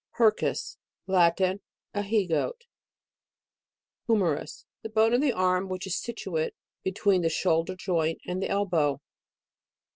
HIRCUS. Latin. A he go.it. HUMERUS. The hone of the arm, which is situate between the shoul der joint and the elbow.